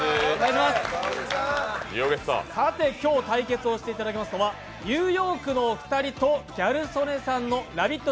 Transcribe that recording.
さて、今日対決をしていただきますのは、ニューヨークのお二人とギャル曽根さんの「ラヴィット！」